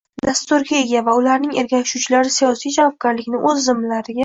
dasturga ega va ularning ergashuvchilari siyosiy javobgarlikni o‘z zimmalariga